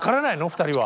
２人は。